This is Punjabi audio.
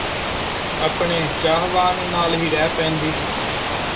ਅਪਣੇ ਚਾਹਵਾਨ ਨਾਲ਼ ਹੀ ਰਹਿ ਪੈਂਦੀ